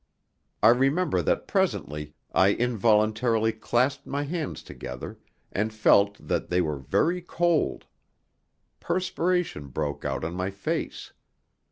I remember that presently I involuntarily clasped my hands together, and felt that they were very cold. Perspiration broke out on my face.